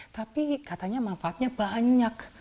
tapi katanya manfaatnya banyak